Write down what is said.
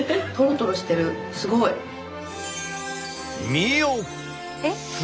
見よ！